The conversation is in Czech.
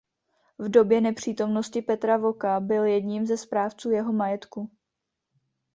V době nepřítomnosti Petra Voka byl jedním ze správců jeho majetku.